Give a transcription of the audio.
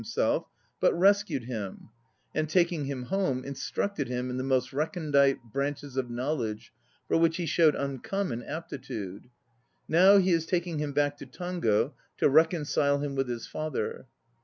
SUMMARIES 243 himself, but rescued him, and, taking him home, instructed him in the most recondite branches of knowledge, for which he showed uncommon aptitude; now he is taking him back to Tango to reconcile him with his father.